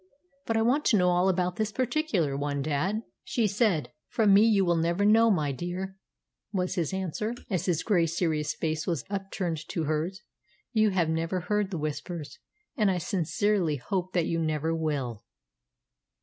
"But I want to know all about this particular one, dad," she said. "From me you will never know, my dear," was his answer, as his gray, serious face was upturned to hers. "You have never heard the Whispers, and I sincerely hope that you never will."